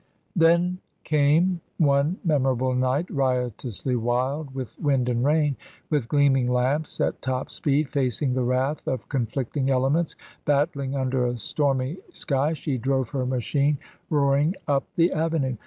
Then came one memorable night, riotously wild with wind and rain. With gleaming lamps, at top speed, facing the wrath of conflicting elements battling under a stormy sky, she drove her machine roaring up the avenue.